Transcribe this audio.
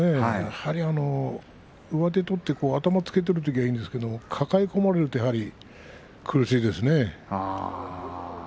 やはり上手を取って頭をつけているときはいいんですけど、抱え込まれると苦しいですね。